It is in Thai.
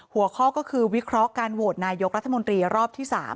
หัวข้อก็คือวิเคราะห์การโหวตนายกรัฐมนตรีรอบที่๓